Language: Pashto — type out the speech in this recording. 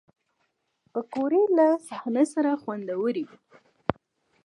پکورې له صحنه سره خوندورې وي